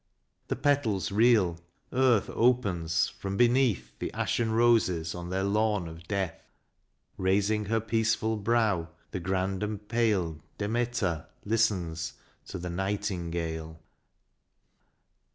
The petals reel. Earth opens : from beneath The ashen roses on their lawn of death, Raising her peaceful brow, the grand and pale Demeter listens to the nightingale.